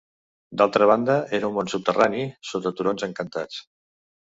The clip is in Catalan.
D'altra banda, era un món subterrani, sota turons encantats.